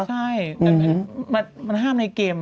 ใช่แต่มันห้ามในเกม